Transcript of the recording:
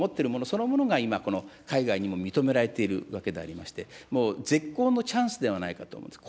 そのものが今、海外にも認められているわけでありまして、もう絶好のチャンスではないかと思うんです。